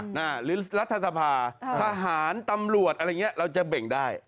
หรือรัฐสภาทหารตำรวจอะไรอย่างนี้เราจะเบ่งได้